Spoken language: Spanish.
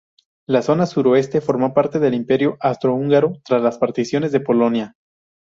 La zona suroeste formó parte del Imperio austrohúngaro tras las particiones de Polonia.